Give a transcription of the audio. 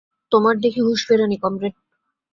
তোমার দেখি হুঁশ ফেরেনি, কমরেড।